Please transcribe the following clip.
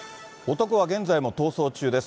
男は現在も逃走中です。